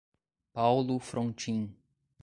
Paulo Frontin